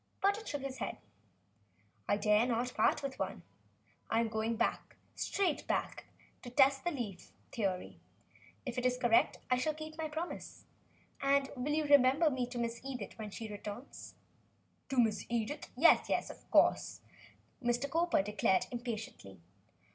Burton shook his head. "I dare not part with one. I am going straight back to test the leaf theory. If it is correct, I will keep my promise. And will you remember me to Miss Edith when she returns, professor?" "To Miss Edith? Yes, yes, of course," Mr. Cowper declared, impatiently.